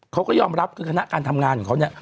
เค้าก็ยอมรับคือคณะการทำงานของเค้า